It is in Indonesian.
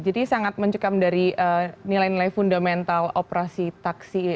jadi sangat mencukup dari nilai nilai fundamental operasi taksi